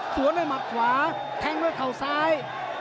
สวนด้วยหมัดขวาแทงด้วยเข่าซ้าย